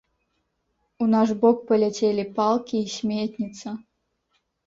У наш бок паляцелі палкі і сметніца.